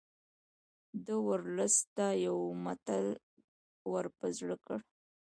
ده ورلسټ ته یو متل ور په زړه کړ.